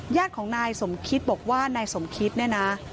ญาติของนายสมคิตบอกว่านายสมคิดเนี่ยนะ